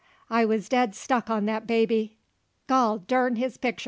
I wuz dead stuck on that baby gol durn his pictur'!